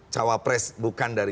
cawapres bukan dari